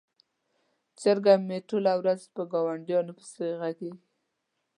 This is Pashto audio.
چرګه مې ټوله ورځ په ګاونډیانو پسې غږیږي.